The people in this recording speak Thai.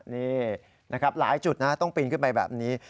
นี่นะครับหลายจุดนะต้องปีนขึ้นไปแบบนี้